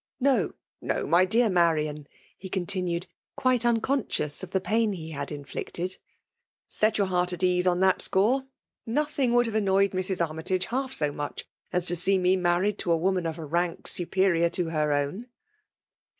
No— no! my doMT Marian/' he continued^ quite unconscious of the pain he had inflicted, —" set your heart at ease on that score ! Nothing would have annoyed Mrs. Armytage half so much as to dee; me married to a woman of a rank superior to her own."